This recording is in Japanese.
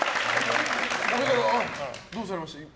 どうされました？